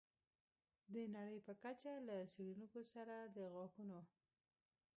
د نړۍ په کچه له څېړونکو سره د غاښونو